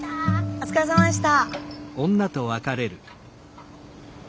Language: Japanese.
お疲れさまでした。